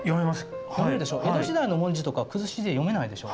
江戸時代の文字とかは崩しで読めないでしょ？